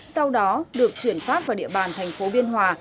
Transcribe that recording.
sau đó được chuyển phát vào địa bàn thành phố biên hòa